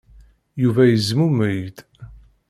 Yuba yezmumeg-d.